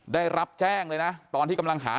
ได้รับแจ้งเลยนะตอนที่กำลังหา